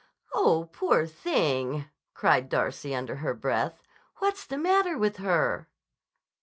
"Oh, poor thing!" cried Darcy under her breath. "What's the matter with her?"